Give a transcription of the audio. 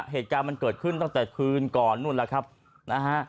เหตุการณ์มันเกิดขึ้นตั้งแต่คืนก่อนนู่นแล้วครับนะฮะ